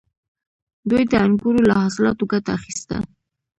دوی د انګورو له حاصلاتو ګټه اخیسته